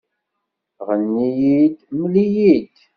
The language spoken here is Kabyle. Ɣenni-yi-d, mel-iyi-d